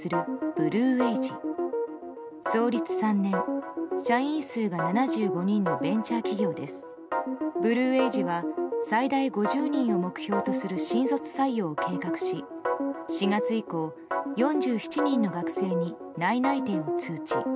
ＢｌｕＡｇｅは最大５０人を目標とする新卒採用を計画し、４月以降４７人の学生に内々定を通知。